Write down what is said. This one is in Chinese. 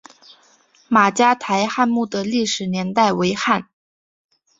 马家台汉墓的历史年代为汉。